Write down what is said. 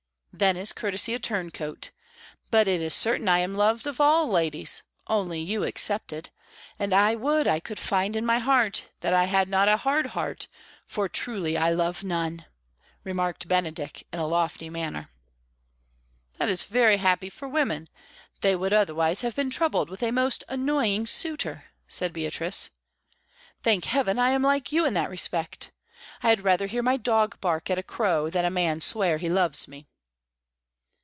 "Then is Courtesy a turncoat. But it is certain I am loved of all ladies, only you excepted; and I would I could find in my heart that I had not a hard heart, for truly I love none," remarked Benedick in a lofty manner. "That is very happy for women; they would otherwise have been troubled with a most annoying suitor," said Beatrice. "Thank Heaven, I am like you in that respect; I had rather hear my dog bark at a crow than a man swear he loves me."